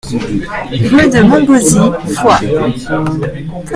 Rue de Montgauzy, Foix